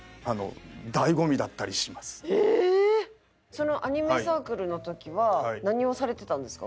そのアニメサークルの時は何をされてたんですか？